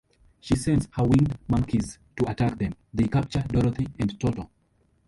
She sends her winged monkeys to attack them; they capture Dorothy and Toto.